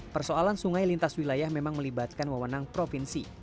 persoalan sungai lintas wilayah memang melibatkan wawenang provinsi